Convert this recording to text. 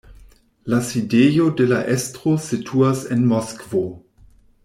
La sidejo de la estro situas en Moskvo.